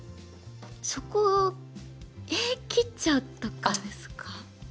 そこええ切っちゃうとかですか？